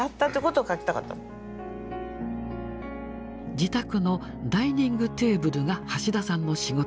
自宅のダイニングテーブルが橋田さんの仕事場。